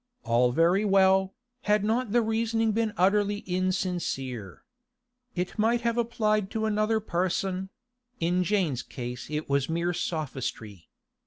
All very well, had not the reasoning been utterly insincere. It might have applied to another person; in Jane's case it was mere sophistry.